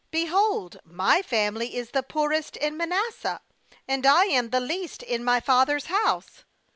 behold, my family is the poorest in Manasseh, and I am the least in my father's house.'